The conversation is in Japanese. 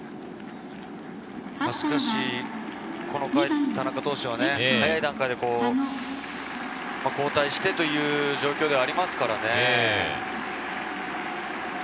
しかしこの回、田中投手は早い段階で、交代してという状況ですからね。